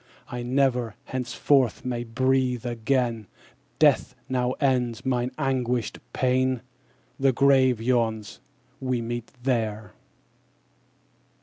'I never, henceforth, may breathe again; Death now ends mine anguished pain. The grave yawns, we meet there.'